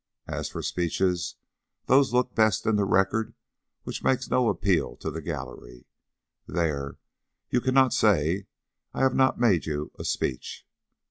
As for speeches, those look best in the Record which make no appeal to the gallery. There, you cannot say I have not made you a speech!"